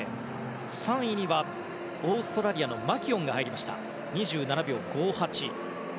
３位には、オーストラリアのマキュオンが入りまして２７秒５８。